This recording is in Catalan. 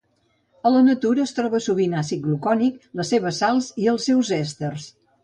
A la natura es troba sovint àcid glucònic, les seves sals i els seus èsters.